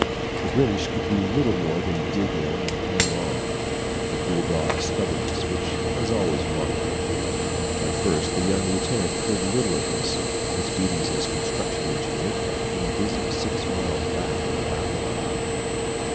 The British could do little more than dig in and hang on, with the bull dog stubbornness which has always marked them. At first, the young lieutenant heard little of this. His duties as construction engineer kept him busy six miles back of the battle line.